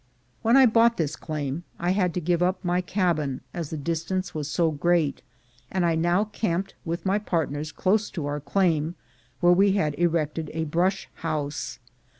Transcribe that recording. When I bought this claim, I had to give up my cabin, as the distance was so great, and I now camped with my partners close to our claim, where we had erected a brush house.